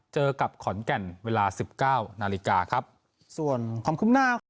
เจอกับขอนแก่ลเวลาสิบเก้านาฬิกาครับส่วนคอมคมัณธ์